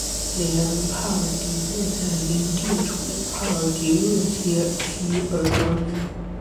里昂帕尔迪厄站因地处帕尔迪厄街区而得名。